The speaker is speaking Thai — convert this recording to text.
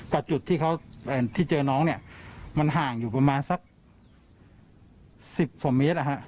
กับจุดที่เขาที่เจอน้องเนี่ยมันห่างอยู่ประมาณสัก๑๐กว่าเมตร